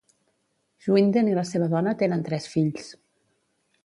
Schwinden i la seva dona tenen tres fills.